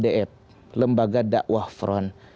ldf lembaga da'wah front